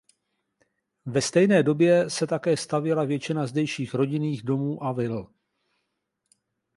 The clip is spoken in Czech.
Ve stejné době se také stavěla většina zdejších rodinných domů a vil.